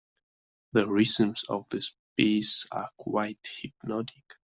The rhythms of this piece are quite hypnotic